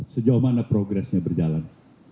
sejauh mana progresnya berjalan